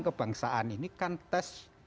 kebangsaan ini kan tes